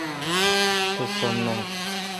تو سم نان۔